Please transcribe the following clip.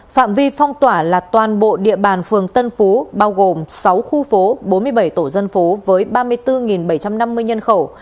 phạm vi phong tỏa là toàn bộ địa bàn phường tân phú bao gồm sáu khu phố bốn mươi bảy tổ dân phố với ba mươi bốn bảy trăm năm mươi nhân khẩu